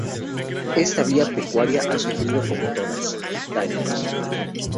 Esta vía pecuaria ha sufrido, como todas, daños.